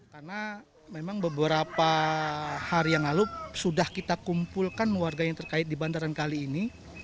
karena memang beberapa hari yang lalu sudah kita kumpulkan warga yang terkait di bataran kali ini